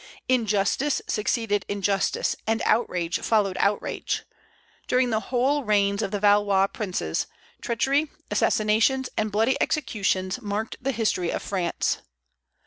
Injustice succeeded injustice, and outrage followed outrage. During the whole reigns of the Valois Princes, treachery, assassinations, and bloody executions marked the history of France.